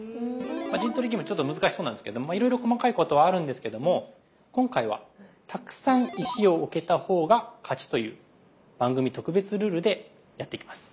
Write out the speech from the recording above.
陣取りゲームちょっと難しそうなんですけどもいろいろ細かいことはあるんですけども今回は「たくさん石を置けた方が勝ち」という番組特別ルールでやっていきます。